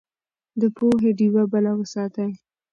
د پوهې ډيوه بله وساتئ.